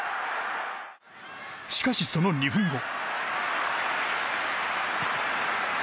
しかし、その２分後。